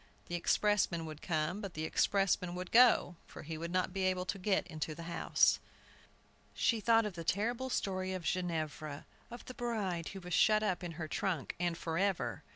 The expressman would come, but the expressman would go, for he would not be able to get into the house! She thought of the terrible story of Ginevra, of the bride who was shut up in her trunk, and forever!